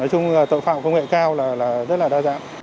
nói chung là tội phạm công nghệ cao là rất là đa dạng